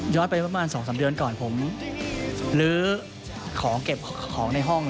ไปประมาณ๒๓เดือนก่อนผมลื้อของเก็บของในห้อง